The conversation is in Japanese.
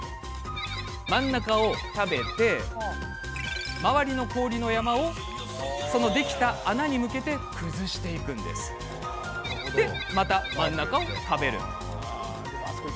真ん中を食べて周りの氷の山をそのできた穴に向けて崩してまた真ん中を食べる。